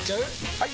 ・はい！